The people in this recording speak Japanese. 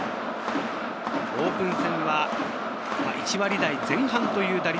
オープン戦は１割台前半という打率。